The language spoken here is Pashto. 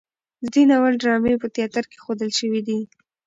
د دې ناول ډرامې په تیاتر کې ښودل شوي دي.